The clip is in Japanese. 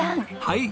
はい。